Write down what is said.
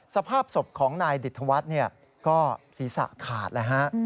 สภาพศพของนายดิตธวัฒน์ก็ศีรษะขาดแล้วฮะ